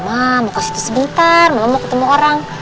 mama mau ke situ sebentar mama mau ketemu orang